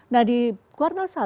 nah di kuartal satu